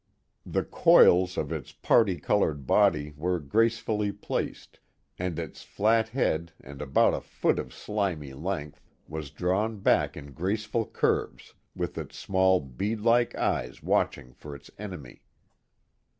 The coils of its parti colorcd body were gracefully placed, and its fiat head and about a foot of slimy length, was drawn back in graceful curves, with its small bead like eyes watching for its enemy.